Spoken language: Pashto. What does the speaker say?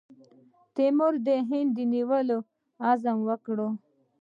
تیمور د هند د نیولو عزم وکړ.